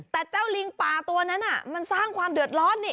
แต่เจ้าลิงปลาตัวนั้นมันสร้างความเดือดร้อนนี่